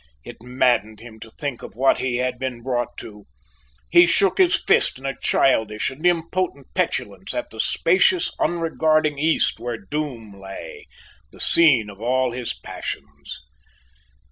It maddened him to think of what he had been brought to; he shook his fist in a childish and impotent petulance at the spacious unregarding east where Doom lay the scene of all his passions.